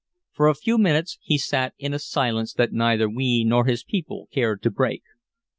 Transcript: For a few minutes he sat in a silence that neither we nor his people cared to break.